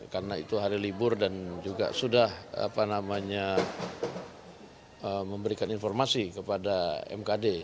karena itu hari libur dan juga sudah memberikan informasi kepada mkd